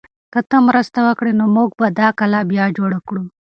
که ته مرسته وکړې نو موږ به دا کلا بیا جوړه کړو.